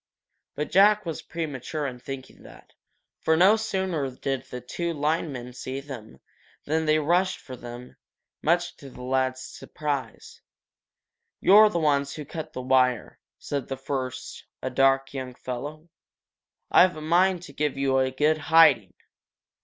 But Jack was premature in thinking that. For no sooner did the two linemen see them than they rushed for them, much to both lads' surprise. "You're the ones who cut that wire," said the first, a dark, young fellow. "I've a mind to give you a good hiding!"